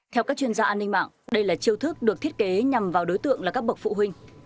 theo các chuyên gia an ninh mạng đây là chiêu thức được thiết kế nhằm vào đối tượng là các bậc phụ huynh